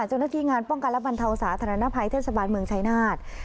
เจ้าหน้าที่งานป้องกันและบรรเทาสาธารณภัยเทศบาลเมืองชายนาฏ